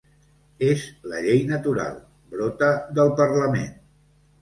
És la llei natural, brota del parlament.